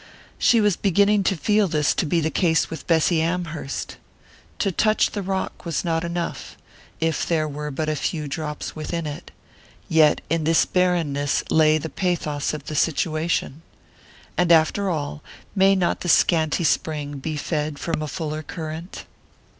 She was beginning to feel this to be the case with Bessy Amherst. To touch the rock was not enough, if there were but a few drops within it; yet in this barrenness lay the pathos of the situation and after all, may not the scanty spring be fed from a fuller current?